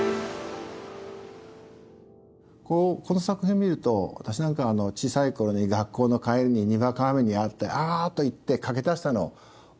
この作品見ると私なんかは小さい頃に学校の帰りににわか雨に遭ってあっと言って駆け出したのを思い出しますけども。